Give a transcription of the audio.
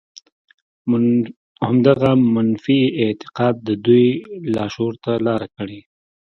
همدغه منفي اعتقاد د دوی لاشعور ته لاره کړې